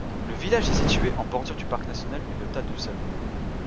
Le village est situé en bordure du Parc national du delta du Saloum.